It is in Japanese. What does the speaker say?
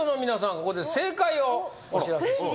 ここで正解をお知らせします